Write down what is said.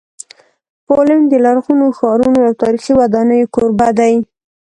پولینډ د لرغونو ښارونو او تاریخي ودانیو کوربه دی.